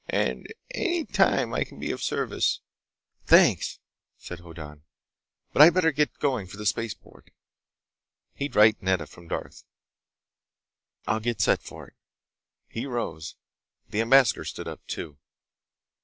And any time I can be of service—" "Thanks," said Hoddan, "but I'd better get going for the spaceport." He'd write Nedda from Darth. "I'll get set for it." He rose. The ambassador stood up too.